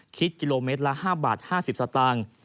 คิดกิโลเมตรละ๕บาท๕๐สตางค์